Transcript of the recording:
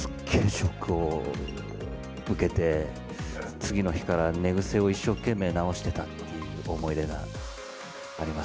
ショックを受けて、次の日から寝癖を一生懸命直してたっていう思い出があります。